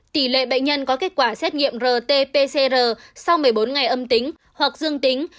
tỷ lệ bệnh nhân có kết quả xét nghiệm rt pcr sau một mươi bốn ngày âm tính hoặc dương tính